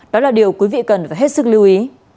đó là điều quý vị cần phải hết sức lưu ý